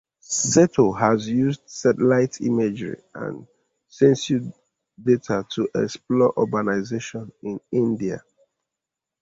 Seto has used satellite imagery and census data to explore urbanisation in India.